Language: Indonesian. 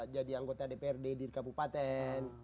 jadi anggota dprd di kabupaten